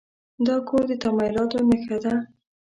دا کور د تمایلاتو نښه ده.